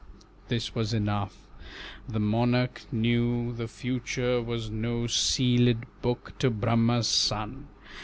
This was enough. The monarch knew The future was no sealèd book To Brahma's son.